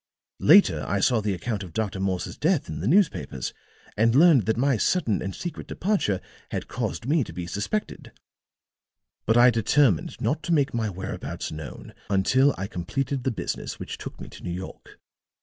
"Later I saw the account of Dr. Morse's death in the newspapers and learned that my sudden and secret departure had caused me to be suspected. But I determined not to make my whereabouts known until I completed the business which took me to New York.